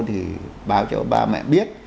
thì báo cho ba mẹ biết